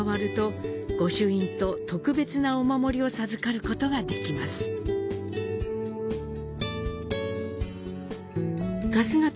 御朱印と特別なお守りを授かることができます。